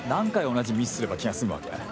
同じミスすれば気が済むわけ？